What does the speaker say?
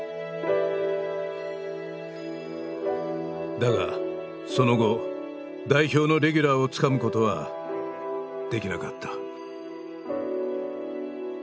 だがその後代表のレギュラーをつかむことはできなかった。